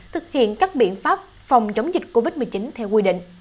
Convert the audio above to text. thực hiện các biện pháp phòng chống dịch covid một mươi chín theo quy định